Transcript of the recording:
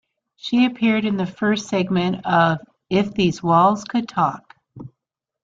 She appeared in the first segment of "If These Walls Could Talk".